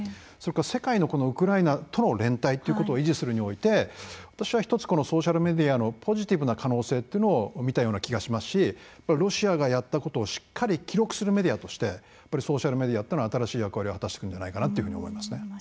それから世界のウクライナとの連帯っていうことを維持するにおいて私は一つこのソーシャルメディアのポジティブな可能性っていうのを見たような気がしますしロシアがやったことをしっかり記録するメディアとしてやっぱりソーシャルメディアっていうのは新しい役割を果たしていくんじゃないかなというふうに思いますね。